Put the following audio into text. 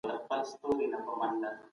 ولي پانګه وال نظام د غریبانو په زیان دی؟